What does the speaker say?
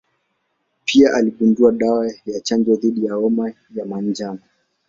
Pia aligundua dawa ya chanjo dhidi ya homa ya manjano.